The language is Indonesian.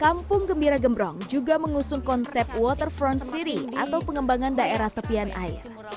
kampung gembira gembrong juga mengusung konsep waterfront city atau pengembangan daerah tepian air